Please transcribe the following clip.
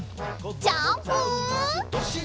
ジャンプ！